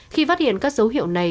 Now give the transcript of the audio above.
khi phát hiện các dấu hiệu này